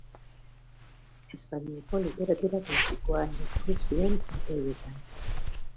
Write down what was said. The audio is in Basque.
Espainiako literatura klasikoa irakurri zuen urte haietan.